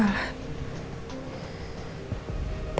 belum dibaca malah